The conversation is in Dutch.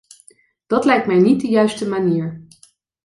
Dat lijkt mij niet de juiste manier.